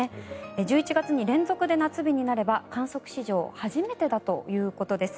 １１月に連続で夏日になれば観測史上初めてだということです。